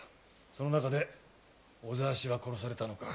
その中で小沢は殺されたのか。